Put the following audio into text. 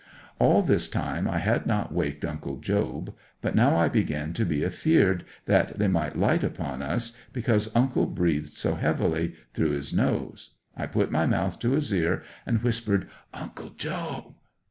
'All this time I had not waked Uncle Job, but now I began to be afeared that they might light upon us, because uncle breathed so heavily through's nose. I put my mouth to his ear and whispered, "Uncle Job."